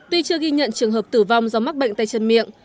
tuy chưa ghi nhận trường hợp tử vong do mắc bệnh tay chân miệng